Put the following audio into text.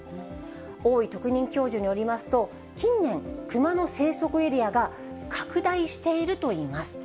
大井特任教授によりますと、近年、クマの生息エリアが拡大しているといいます。